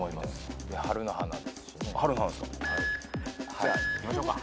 じゃあいきましょうか。